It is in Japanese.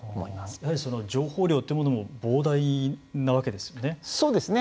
やはりその情報量というものも膨大なわけですね。